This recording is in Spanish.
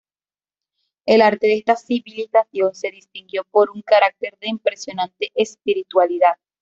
El arte de esta civilización se distinguió por un carácter de impresionante espiritualidad.